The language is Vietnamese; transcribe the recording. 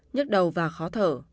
nhất đầu và khó thở